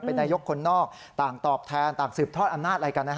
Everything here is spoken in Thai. เป็นนายกคนนอกต่างตอบแทนต่างสืบทอดอำนาจอะไรกัน